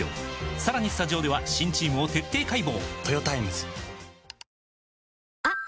さらにスタジオでは新チームを徹底解剖！